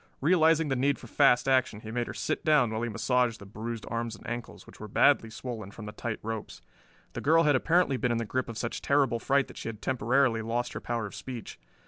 Realizing the need for fast action he made her sit down while he massaged the bruised arms and ankles, which were badly swollen from the tight ropes. The girl had apparently been in the grip of such terrible fright that she had temporarily lost her power of speech.